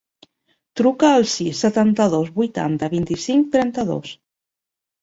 Truca al sis, setanta-dos, vuitanta, vint-i-cinc, trenta-dos.